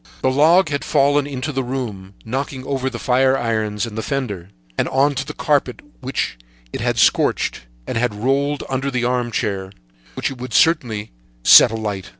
The log had fallen into the room, knocking over the fire irons and the fender, and on to the carpet, which it had scorched, and had rolled under an armchair, which it would certainly set alight.